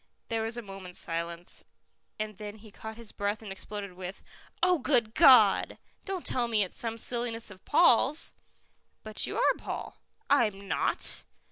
There was a moment's silence, and then he caught his breath and exploded with, "Oh, good God! Don't tell me it's some silliness of Paul's." "But you are Paul." "I'm not."